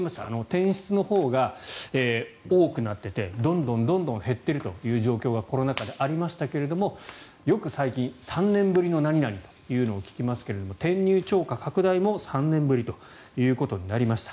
転出のほうが多くなっていてどんどん減っているという状況がコロナ禍でありましたがよく最近、３年ぶりの何々というのを聞きますが転入超過拡大も３年ぶりということになりました。